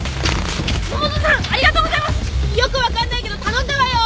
よく分かんないけど頼んだわよ！